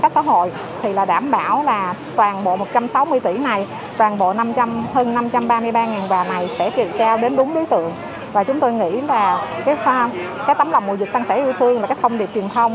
sân sẻ yêu thương và các thông điệp truyền thông